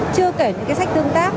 chưa kể những cái sách tương tác